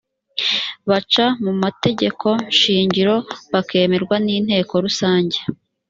baca mu mategeko shingiro bakemerwa n inteko rusange